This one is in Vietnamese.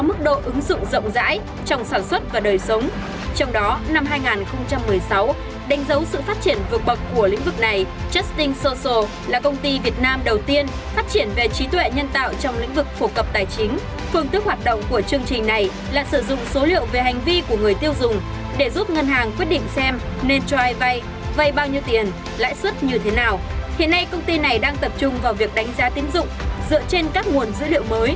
hiện nay công ty này đang tập trung vào việc đánh giá tín dụng dựa trên các nguồn dữ liệu mới như hành vi tiêu dùng mạng xã hội